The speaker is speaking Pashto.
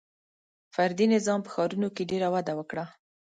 • فردي نظام په ښارونو کې ډېر وده وکړه.